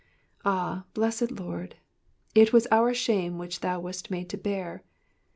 Ah, blessed Lord, it was our shame which thou wast made to bear !